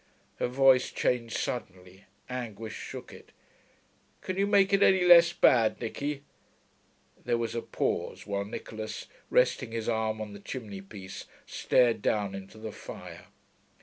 Her voice changed suddenly; anguish shook it. 'Can you make it any less bad, Nicky?' There was a pause, while Nicholas, resting his arm on the chimney piece, stared down into the fire.